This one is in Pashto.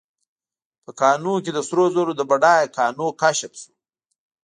په کانونو کې د سرو زرو د بډایه کانونو کشف شو.